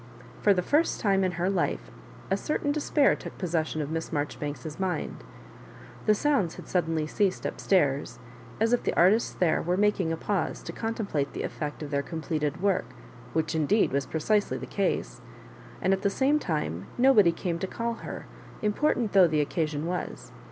For the first time m her life a certain despair took possession of Miss Marjoribanks's mind. The sounds had sud denly ceased up stairs, as if the artists there were making a pause to contemplate the effect of their completed work — which indeed was pre cisely the case — and at the same time nobody came to call' her, important though the occasion was.